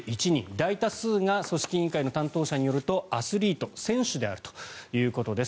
大多数が組織委員会の担当者によるとアスリート、選手であるということです。